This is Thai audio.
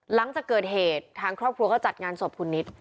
หลังจากเกิดเหตุทางครอบครัวก็จัดงานศพคุณนิด